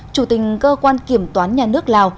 chủ tình cơ quan kiểm toán nhà nước lào